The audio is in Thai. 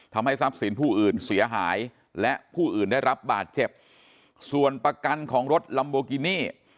ทำให้ทรัพย์สินผู้อื่นเสียหายและผู้อื่นได้รับบาดเจ็บส่วนประกันของรถลัมโบกินี่